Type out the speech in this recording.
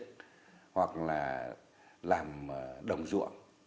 chỉ cần là làm đồng ruộng